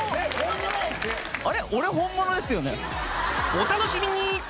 ［お楽しみに！］